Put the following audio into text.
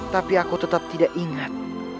tapi aku tetap tidak ingat